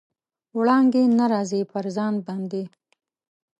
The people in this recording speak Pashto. وړانګې نه راځي، پر ځان باندې